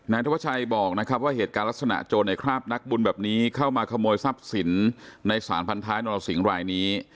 ธวัชชัยบอกนะครับว่าเหตุการณ์ลักษณะโจรในคราบนักบุญแบบนี้เข้ามาขโมยทรัพย์สินในสารพันท้ายนรสิงห์รายนี้